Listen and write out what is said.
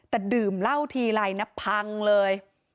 แต่ดื่มเหล้าทีไรนะพังเลย